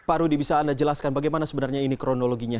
pak rudy bisa anda jelaskan bagaimana sebenarnya ini kronologinya